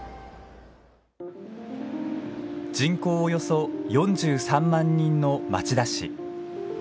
人口およそ４３万人の町田市。